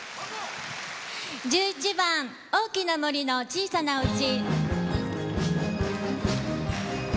１１番「大きな森の小さなお家」。